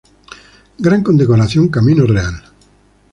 Gran Condecoración Camino Real.